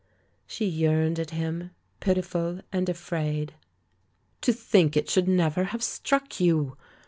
She yearned at him, pitiful and afraid. "To think it should never have struck you!